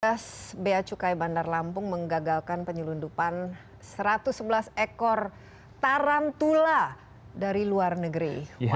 beas beacukai bandar lampung menggagalkan penyelundupan satu ratus sebelas ekor tarantula dari luar negeri